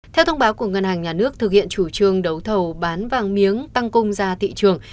theo thông báo của ngân hàng nhà nước thực hiện chủ trương đấu thầu bán vàng miếng tăng cung ra thị trường